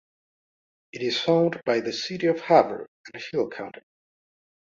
It is owned by the City of Havre and Hill County.